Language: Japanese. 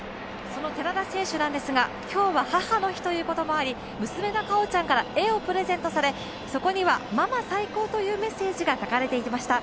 その寺田選手ですが、今日は母の日ということもあり娘の果緒ちゃんから絵をプレゼントされそこにはママ最高というメッセージが書かれていました。